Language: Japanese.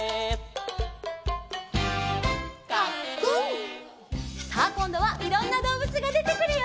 「カックン」さあこんどはいろんなどうぶつがでてくるよ。